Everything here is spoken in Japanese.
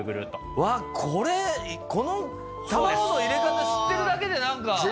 うわっこれこの卵の入れ方知ってるだけでなんか。